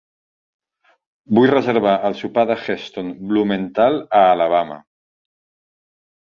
Vull reservar el sopar de Heston Blumenthal a Alabama.